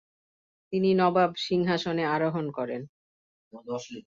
তিনি নবাব সিংহাসনে আরোহণ করেন।